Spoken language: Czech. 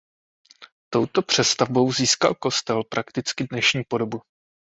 Touto přestavbou získal kostel prakticky dnešní podobu.